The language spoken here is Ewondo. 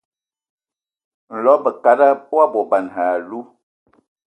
Nlɔb bəkada wa bɔban və yalu.